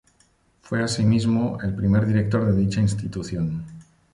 Fue, asimismo, el primer director de dicha institución.